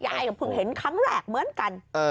ยายก็เพิ่งเห็นครั้งแรกเหมือนกัน